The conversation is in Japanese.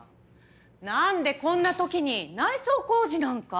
なんでこんな時に内装工事なんか？